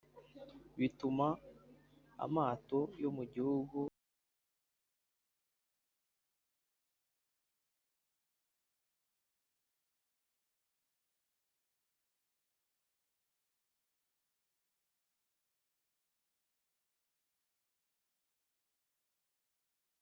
bituma amato yo mu gihugu yongera kugorwa no kubona igishoro mu gushaka abakozi bashya no kubamenyereza akazi